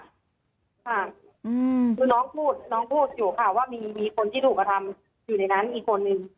ค่ะคือน้องพูดน้องพูดอยู่ค่ะว่ามีคนที่ถูกกระทำอยู่ในนั้นอีกคนนึง